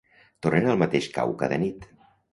Tornen al mateix cau cada nit.